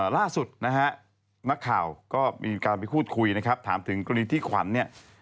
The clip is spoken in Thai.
ล่าสุดนะฮะนักข่าวก็มีการไปพูดคุยนะครับถามถึงกรณีที่ขวัญเนี่ย